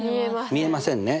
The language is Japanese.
見えませんね。